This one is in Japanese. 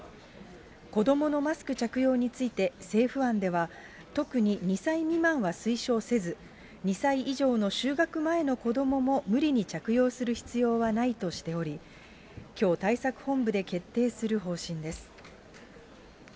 子どものマスク着用について政府案では、特に２歳未満は推奨せず、２歳以上の就学前の子どもも無理に着用する必要はないとしており、きょう対策本部で決定する方針です。